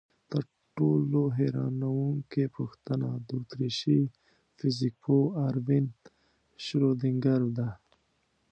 تر ټولو حیرانوونکې پوښتنه د اتریشي فزیکپوه اروین شرودینګر ده.